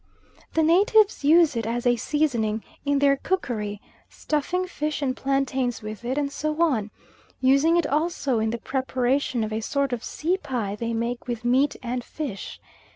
The natives use it as a seasoning in their cookery, stuffing fish and plantains with it and so on, using it also in the preparation of a sort of sea pie they make with meat and fish.